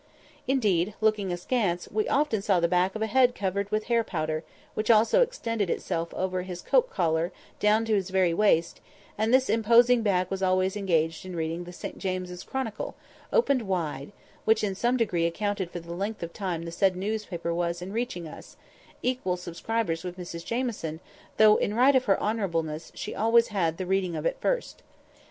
Indeed, looking askance, we often saw the back of a head covered with hair powder, which also extended itself over his coat collar down to his very waist; and this imposing back was always engaged in reading the St James's Chronicle, opened wide, which, in some degree, accounted for the length of time the said newspaper was in reaching us—equal subscribers with Mrs Jamieson, though, in right of her honourableness, she always had the reading of it first.